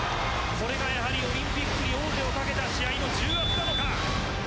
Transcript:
これがやはりオリンピック出場に王手をかけた試合の重圧なのか。